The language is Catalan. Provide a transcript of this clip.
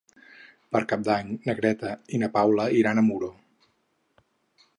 Per Cap d'Any na Greta i na Paula iran a Muro.